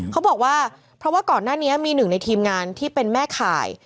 เขาบอกว่าเพราะว่าก่อนหน้านี้มีหนึ่งในทีมงานที่เป็นแม่ข่าย